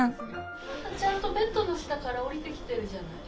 ちゃんとベッドの下から降りてきてるじゃない。